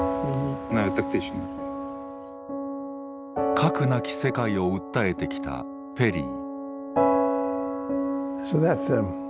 「核なき世界」を訴えてきたペリー。